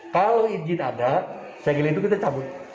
kalau izin ada segel itu kita cabut